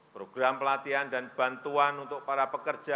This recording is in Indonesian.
program pelatihan dan bantuan untuk para pekerja